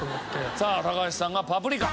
さあ高橋さんが『パプリカ』。